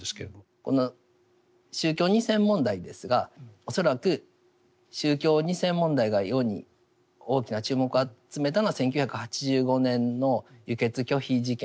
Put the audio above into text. この宗教２世問題ですが恐らく宗教２世問題が世に大きな注目を集めたのは１９８５年の輸血拒否事件